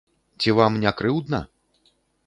Ці вам не крыўдна?